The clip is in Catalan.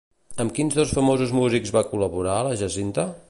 Amb quins dos famosos músics va col·laborar la Jacinta?